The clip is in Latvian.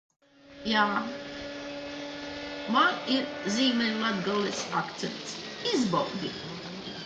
Jā, man ir Ziemeļlatgales akcents. Izbaudi!